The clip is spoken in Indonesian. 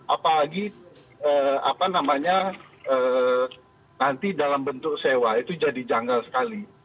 apalagi nanti dalam bentuk sewa itu jadi janggal sekali